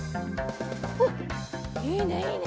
おっいいねいいね